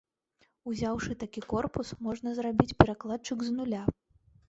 Узяўшы такі корпус, можна зрабіць перакладчык з нуля.